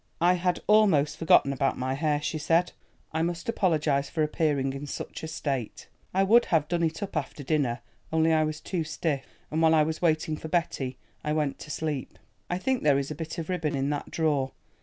"I had almost forgotten about my hair," she said; "I must apologise for appearing in such a state. I would have done it up after dinner only I was too stiff, and while I was waiting for Betty, I went to sleep." "I think there is a bit of ribbon in that drawer.